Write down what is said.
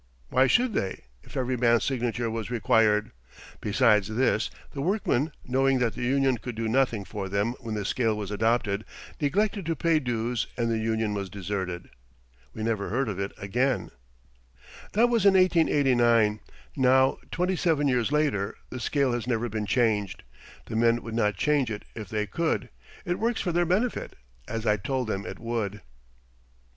Why should they, if every man's signature was required? Besides this, the workmen, knowing that the union could do nothing for them when the scale was adopted, neglected to pay dues and the union was deserted. We never heard of it again. [That was in 1889, now twenty seven years ago. The scale has never been changed. The men would not change it if they could; it works for their benefit, as I told them it would.